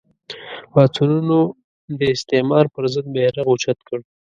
پاڅونونو د استعمار پر ضد بېرغ اوچت کړ